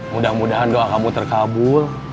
mudah mudahan doa kamu terkabul